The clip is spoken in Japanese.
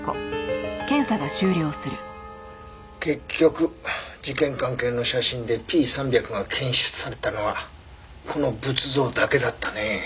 結局事件関係の写真でＰ３００が検出されたのはこの仏像だけだったね。